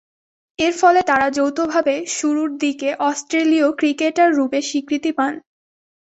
এরফলে তারা যৌথভাবে শুরুরদিকের অস্ট্রেলীয় ক্রিকেটাররূপে স্বীকৃতি পান।